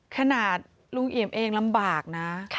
ขนาดลุงเอี่ยมเองลำบากนะ